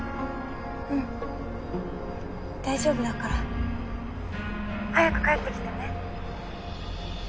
うん大丈夫だから。早く帰ってきてね。